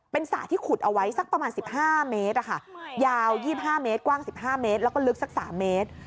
เป็นสระที่ขุดเอาไว้สักประมาณ๑๕เมตรยาว๒๕เมตรกว้าง๑๕เมตรแล้วก็ลึกสัก๓เมตร